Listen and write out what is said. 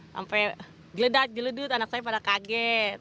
sampai geledat geledut anak saya pada kaget